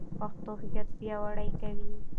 پښتو هویت پیاوړی کوي.